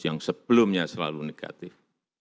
yang sebelumnya selalu negatif